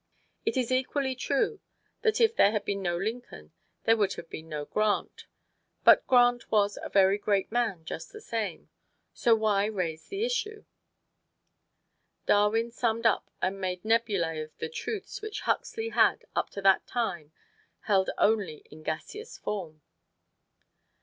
It is equally true that if there had been no Lincoln there would have been no Grant; but Grant was a very great man just the same so why raise the issue! Darwin summed up and made nebulæ of the truths which Huxley had, up to that time, held only in gaseous form.